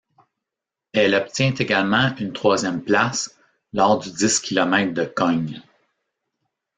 Elle obtient également une troisième place lors du dix kilomètres de Cogne.